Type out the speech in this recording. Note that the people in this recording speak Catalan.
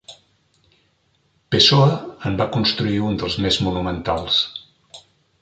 Pessoa en va construir un dels més monumentals.